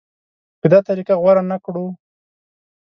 که دا طریقه غوره نه کړو.